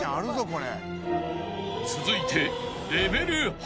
［続いて］